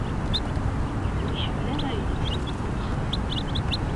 Ur tḥemmel ara iɣersiwen n wexxam.